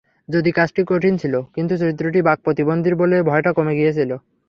যদিও কাজটি কঠিন ছিল, কিন্তু চরিত্রটি বাক্প্রতিবন্ধীর বলে ভয়টা কমে গিয়েছিল।